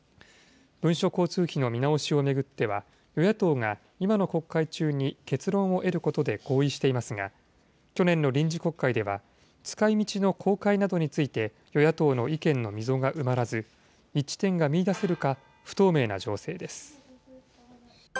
文書交通費の見直しを巡っては、与野党が今の国会中に結論を得ることで合意していますが、去年の臨時国会では、使いみちの公開などについて、与野党の意見の溝が埋まらず、一致点が見いだせるか、不透明な情勢です。